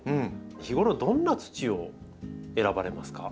日頃どんな土を選ばれますか？